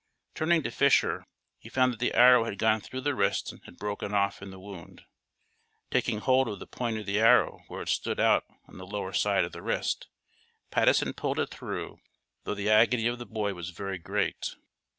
Turning to Fisher, he found that the arrow had gone through the wrist and had broken off in the wound. Taking hold of the point of the arrow where it stood out on the lower side of the wrist, Patteson pulled it through, though the agony of the boy was very great.